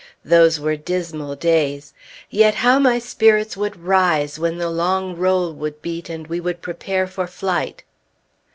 Those were dismal days. Yet how my spirits would rise when the long roll would beat, and we would prepare for flight!